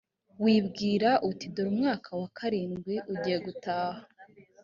wibwira uti dore umwaka wa karindwi ugiye gutaha